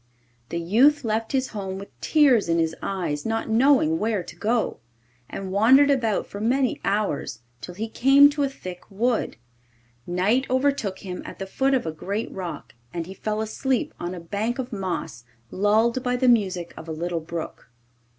The youth left his home with tears in his eyes, not knowing where to go, and wandered about for many hours till he came to a thick wood. Night overtook him at the foot of a great rock, and he fell asleep on a bank of moss, lulled by the music of a little brook.